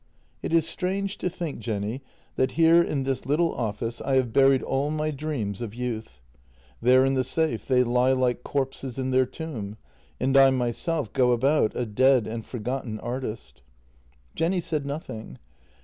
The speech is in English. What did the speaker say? " It is strange to think, Jenny, that here in this little office I have buried all my dreams of youth. There in the safe they lie like corpses in their tomb, and I myself go about a dead and forgotten artist." JENNY 153 Jenny said nothing.